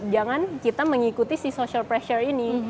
jangan kita mengikuti si social pressure ini